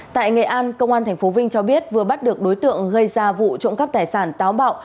tại nghệ an công an tp vinh cho biết vừa bắt được đối tượng gây ra vụ trộm cắp tài sản táo bạo